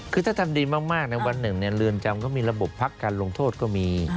คือถ้าทำดีมากในวันหนึ่งเรือนจำเขามีระบบพักการลงโทษก็มี